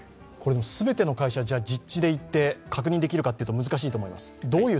すべての会社、実地でいって確認できるかというと難しいと思います。